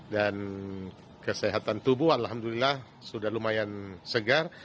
dan kesehatan tubuh alhamdulillah sudah lumayan segar